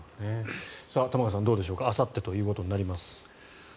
玉川さん、どうでしょうかあさってということになります。